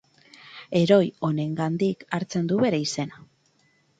Heroi honengandik hartzen du bere izena.